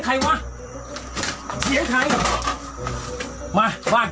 เข้ามาด่วนเลยตะลือตกบ้าน